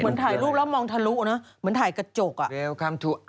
เหมือนถ่ายรูปแล้วมองทะลุนะเหมือนถ่ายกระจกอ่ะ